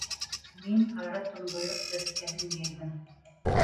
Мин һары томбойоҡ сәскәһен йыйҙым!